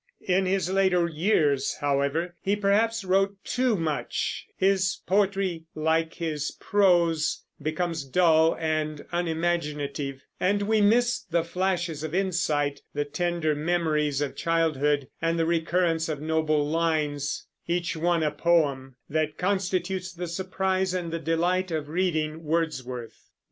In his later years, however, he perhaps wrote too much; his poetry, like his prose, becomes dull and unimaginative; and we miss the flashes of insight, the tender memories of childhood, and the recurrence of noble lines each one a poem that constitutes the surprise and the delight of reading Wordsworth.